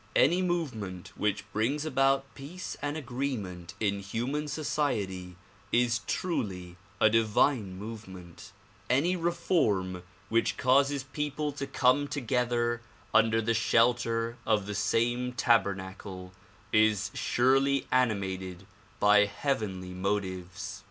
Any movement which brings about peace and agreement in human society is truly a divine movement; any reform which causes people to come together under the shelter of the same tabernacle is surely animated by heavenly motives.